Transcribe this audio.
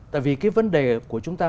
tại vì cái vấn đề của chúng ta